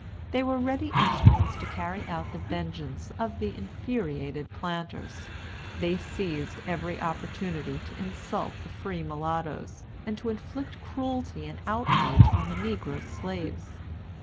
They were ready instruments to carry out the vengeance of the infuriated planters. They seized every opportunity to insult the free mulattoes, and to inflict cruelty and outrage on the negro slaves.